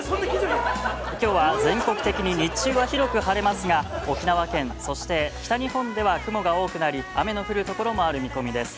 きょうは全国的に日中は広く晴れますが、沖縄県、そして北日本では雨が多くなり、雲が多くなり、雨の降る所もある見込みです。